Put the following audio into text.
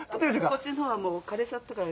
こっちのほうはもう枯れちゃったから。